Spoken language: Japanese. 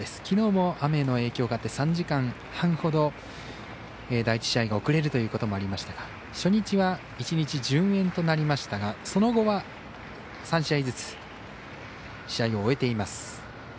きのうも雨の影響があって３時間半ほど第１試合が遅れるということがありましたが初日は１日順延となりましたがその後は３試合ずつ試合を終えています。